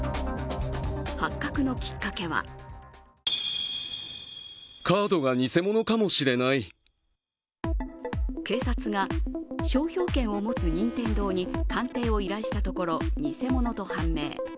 発覚のきっかけは警察が商標権を持つ任天堂に鑑定を依頼したところ偽物と判明。